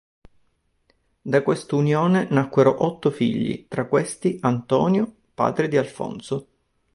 Da questa unione nacquero otto figli: tra questi Antonio, padre di Alfonso.